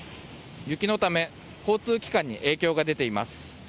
雪のため交通機関に影響が出ています。